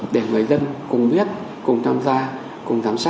để người dân cùng biết cùng tham gia cùng giám sát